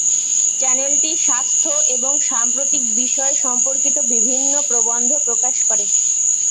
চ্যানেলটি স্বাস্থ্য এবং সাম্প্রতিক বিষয় সম্পর্কিত বিভিন্ন প্রবন্ধ প্রকাশ করে।